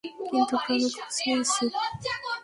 কিন্তু গ্রামে খোঁজ নিয়েছি।